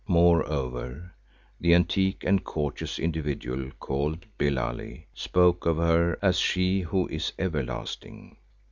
Moreover, the antique and courteous individual called Billali, spoke of her as "She who is everlasting."